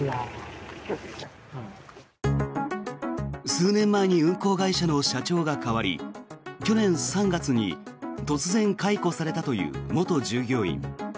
数年前に運航会社の社長が代わり去年３月に突然解雇されたという元従業員。